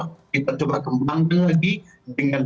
kita coba kembangkan lagi dengan